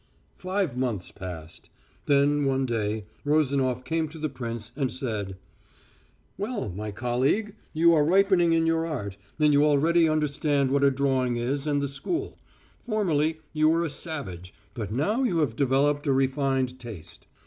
Five months passed. Then, one day, Rozanof came to the prince and said: "Well, my colleague, you are ripening in your art, and you already understand what a drawing is and the school. Formerly you were a savage, but now you have developed a refined taste.